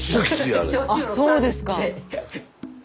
あそうですか。